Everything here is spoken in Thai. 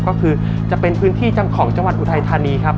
ก็คือจะเป็นพื้นที่ของอุทัยธาณีครับ